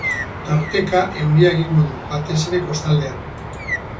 Tarteka euria egingo du, batez ere, kostaldean.